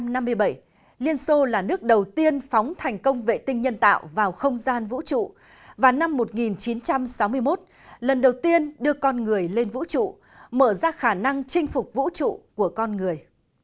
năm hai nghìn một mươi bảy liên xô là nước đầu tiên phóng thành công vệ tinh nhân tạo vào không gian vũ trụ và năm một nghìn chín trăm sáu mươi một lần đầu tiên đưa con người lên vũ trụ mở ra khả năng chinh phục vũ trụ của con người